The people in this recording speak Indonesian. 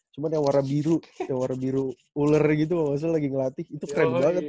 cuma yang warna biru yang warna biru uler gitu maksudnya lagi ngelatih itu keren banget